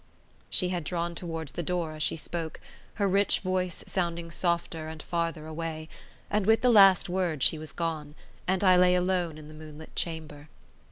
She had drawn towards the door as she spoke, her rich voice sounding softer and farther away; and with the last word she was gone, and I lay alone in the moonlit chamber.